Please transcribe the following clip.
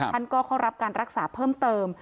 ท่านก็เข้ารับการรักษาเพิ่มเติม